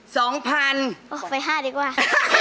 สองพันไปห้าดีกว่า